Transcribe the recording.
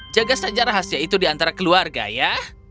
jaga saja rahasia itu di antara keluarga ya